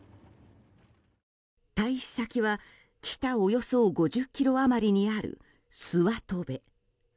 退避先は北およそ５０ｋｍ余りにあるスワトベ。